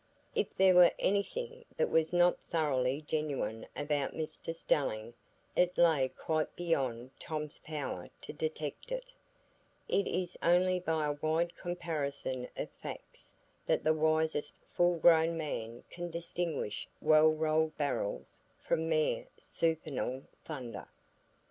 If there were anything that was not thoroughly genuine about Mr Stelling, it lay quite beyond Tom's power to detect it; it is only by a wide comparison of facts that the wisest full grown man can distinguish well rolled barrels from mere supernal thunder.